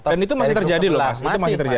dan itu masih terjadi lho mas